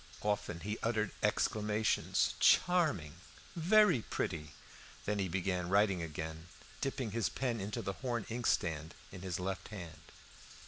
Often he uttered exclamations. "Charming! very pretty." Then he began writing again, dipping his pen into the horn inkstand in his left hand.